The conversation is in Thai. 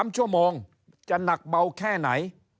๓ชั่วโมงจะหนักเบาแค่ไหน